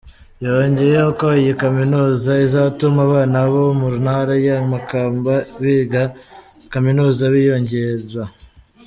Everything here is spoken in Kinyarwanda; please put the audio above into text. Yongeyeho ko iyi kaminuza izatuma abana bo mu ntara ya makamba biga kaminuza biyongera.